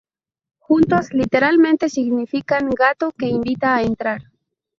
Juntos, literalmente significan "gato que invita a entrar".